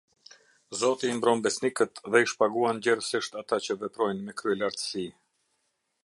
Zoti i mbron besnikët dhe i shpaguan gjerësisht ata që veprojnë me kryelartësi.